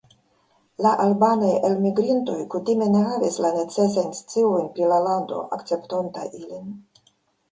La albanaj elmigrintoj kutime ne havis la necesajn sciojn pri la lando akceptonta ilin.